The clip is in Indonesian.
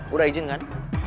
udah izin kan